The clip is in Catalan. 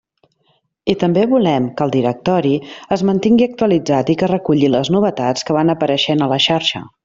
I també volem que el directori es mantingui actualitzat i que reculli les novetats que van apareixent a la xarxa.